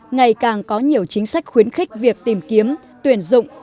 ngày càng có nhiều chính sách khuyến khích việc tìm kiếm tuyển dụng